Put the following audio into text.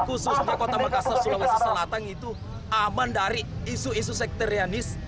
khususnya kota makassar sulawesi selatan itu aman dari isu isu sekterianis